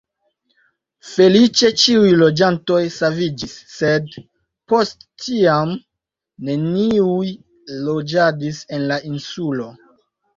Feliĉe ĉiuj loĝantoj saviĝis sed post tiam neniuj loĝadis en la insulo.